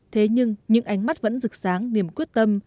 thế nhưng những ánh mắt vẫn rực sáng niềm quyết tâm